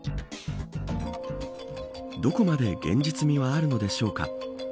どこまで現実味はあるのでしょうか。